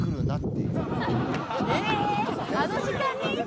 えあの時間に？